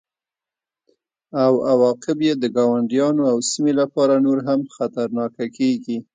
او عواقب یې د ګاونډیانو او سیمې لپاره نور هم خطرناکه کیږي